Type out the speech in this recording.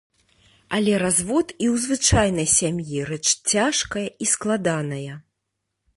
Але развод і ў звычайнай сям'і рэч цяжкая і складаная.